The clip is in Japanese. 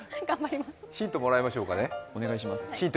ヒントもらいましょうかねヒント